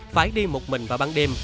phải đi một mình vào ban đêm